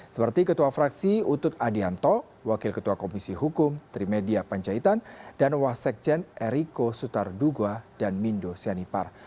seperti ketua fraksi utut adianto wakil ketua komisi hukum trimedia panjaitan dan wasekjen eriko sutarduga dan mindo sianipar